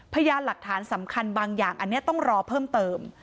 พยานหลักฐานสำคัญบางอย่างอันนี้ต้องรอเพิ่มเติม